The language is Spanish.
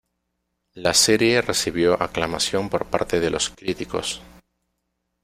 La serie recibió aclamación por parte de los críticos.